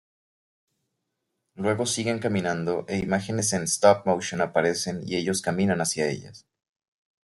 Luego siguen caminando e imágenes en stop motion aparecen y ellos caminan hacia ellas.